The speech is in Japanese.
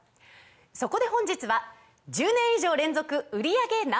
そこで本日は１０年以上連続売り上げＮｏ．１